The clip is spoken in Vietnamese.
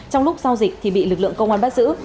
trong lúc giao dịch thì bị lực lượng công an bắt giữ